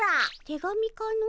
手紙かの？